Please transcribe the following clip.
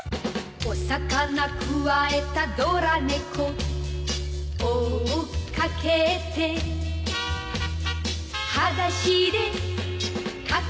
「お魚くわえたドラ猫」「追っかけて」「はだしでかけてく」